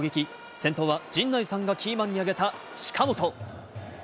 先頭は陣内さんがキーマンに挙げた近本。